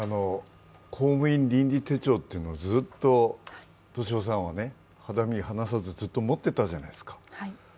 公務員倫理手帳というのをずっと俊夫さんは肌身離さずずっと持ってたじゃないですか。